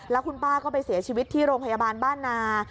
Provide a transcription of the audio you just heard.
แล้วคุณป้าก็ไปเสียชีวิตที่โรงพยาบาลบ้านนา